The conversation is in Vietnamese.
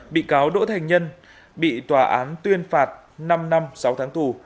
bị cáo đỗ thành nhân bị tòa án tuyên phạt năm năm sáu tháng tù